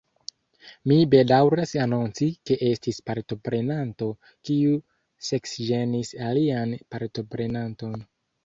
Mi bedaŭras anonci, ke estis partoprenanto, kiu seksĝenis alian partoprenanton.